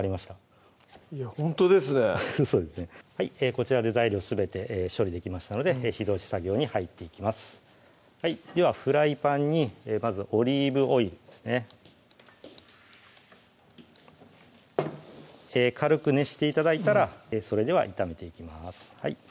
こちらで材料すべて処理できましたので火通し作業に入っていきますではフライパンにまずオリーブオイルですね軽く熱して頂いたらそれでは炒めていきます